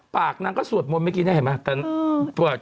นางก็สวดมนต์เมื่อกี้เนี่ยเห็นไหม